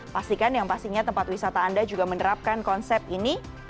pastikan yang pastinya tempat wisata anda juga menerapkan konsep ini